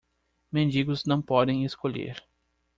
Mendigos não podem escolher.